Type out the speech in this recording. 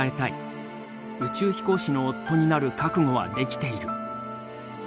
宇宙飛行士の夫になる覚悟はできている。